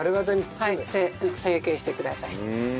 成形してください。